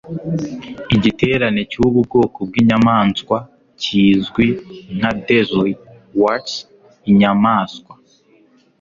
Igiterane cyubu bwoko bwinyamanswa kizwi nka Dazzle Whats Inyamaswa